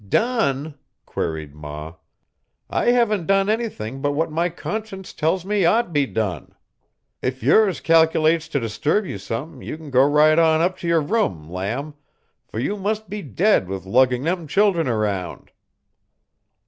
"Done?" queried ma. "I haven't done anything but what my conscience tells me ought to be done. If yours cal'lates to disturb you some you can go right on up to your room, lamb, for you must be dead with lugging them children around."